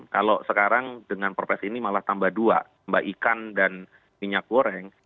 kalau sekarang dengan perpres ini malah tambah dua mbak ikan dan minyak goreng